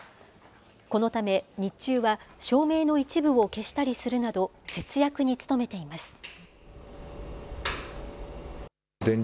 このため、日中は照明の一部を消したりするなど、節約に努めています。